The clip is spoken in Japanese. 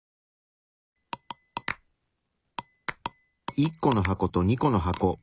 １個の箱と２個の箱。